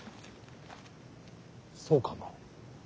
そうかな。